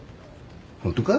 ホントか？